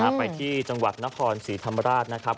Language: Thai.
ไปที่จังหวัดนครศรีธรรมราชนะครับ